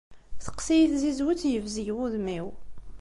Teqqes-iyi tzizwit yebzeg wudem-iw.